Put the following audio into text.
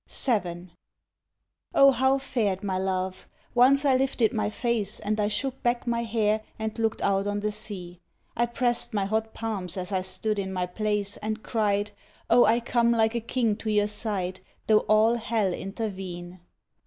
VII. O, how fared my love? Once I lifted my face And I shook back my hair and looked out on the sea; I pressed my hot palms as I stood in my place And cried, “O, I come like a king to your side Though all hell intervene.